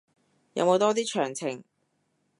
有冇多啲詳情